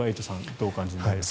どうお感じになりますか。